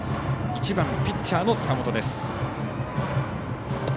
１番、ピッチャーの塚本です。